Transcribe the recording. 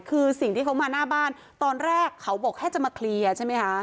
คือสิ่งที่เขามาหน้าบ้านตอนแรกเขาบอกแค่จะมาเคลียร์ใช่ไหมคะ